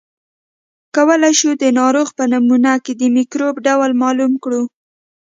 کولای شو د ناروغ په نمونه کې د مکروب ډول معلوم کړو.